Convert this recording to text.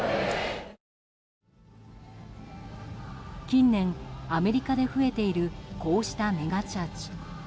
近年、アメリカで増えているこうしたメガチャーチ。